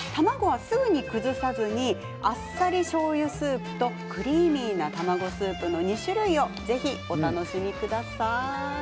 卵はすぐに崩さずにあっさりしょうゆスープとクリーミーな卵スープの２種類をぜひお楽しみください。